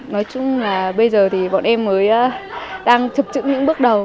nói chung là bây giờ thì bọn em mới đang thực chữ những bước đầu